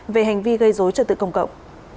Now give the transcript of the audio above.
về hành vi gây dối trợ tự công cộng